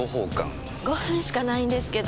５分しかないんですけど。